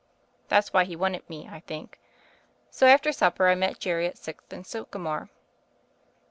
That's why he wanted me, I think. So after supper I met Jerry at Sixth and Sycamore."